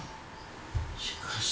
しかし。